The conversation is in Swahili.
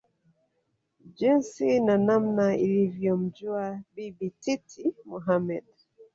jinsi na namna alivyomjua Bibi Titi Mohamed